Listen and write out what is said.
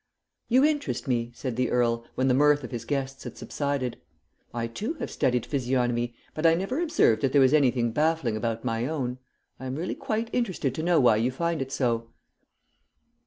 "You interest me," said the Earl, when the mirth of his guests had subsided. "I too have studied physiognomy, but I never observed that there was anything baffling about my own. I am really quite interested to know why you find it so."